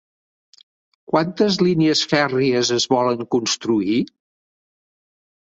Quantes línies fèrries es volen construir?